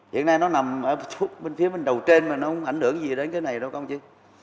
hiện nay nó nằm ở phía bên đầu trên mà nó không ảnh hưởng gì đến cái này đâu công chức